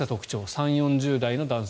３０４０代の男性